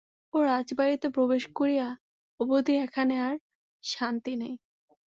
ও রাজবাড়িতে প্রবেশ করিয়া অবধি এখানে আর শান্তি নাই।